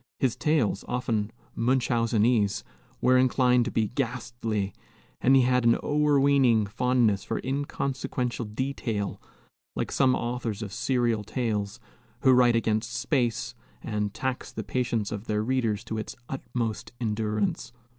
His tales, often Munchausenese, were inclined to be ghastly, and he had an o'erweening fondness for inconsequential detail, like some authors of serial tales, who write against space and tax the patience of their readers to its utmost endurance.